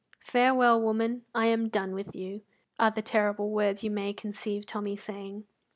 "Farewell, woman; I am done with you," are the terrible words you may conceive Tommy saying.